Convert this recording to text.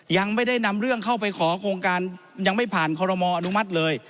ยังไม่ได้นำเรื่องเข้าไปขอโครงการยังไม่ผ่านคอรมออนุมัติเลย